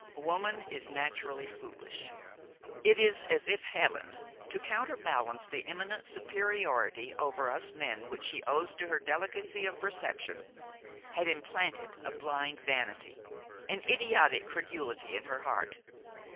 Woman is naturally foolish; it is as if Heaven, to counterbalance the eminent superiority over us men which she owes to her delicacy of perception, had implanted a blind vanity, an idiotic credulity in her heart.